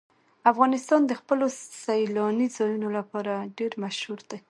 افغانستان د خپلو سیلاني ځایونو لپاره ډېر مشهور دی.